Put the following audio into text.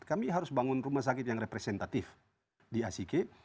kami harus bangun rumah sakit yang representatif di asike